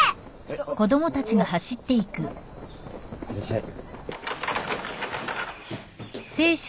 いってらっしゃい。